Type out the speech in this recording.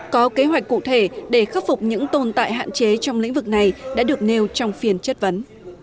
có kế hoạch cụ thể để khắc phục những tồn tại hạn chế trong lĩnh vực này đã được nêu trong phiên chất vấn